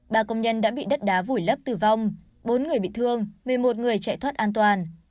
ba công nhân đã bị đất đá vùi lấp tử vong bốn người bị thương một mươi một người chạy thoát an toàn